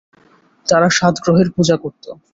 তারা সাত গ্রহের পূজা করত।